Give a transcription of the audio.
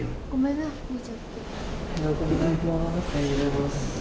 おはようございます。